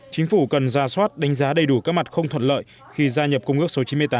chính phủ cần ra soát đánh giá đầy đủ các mặt không thuận lợi khi gia nhập công ước số chín mươi tám